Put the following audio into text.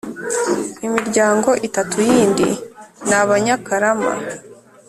imiryango itatu yindi ni abanyakarama